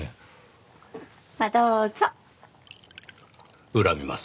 まあどうぞ。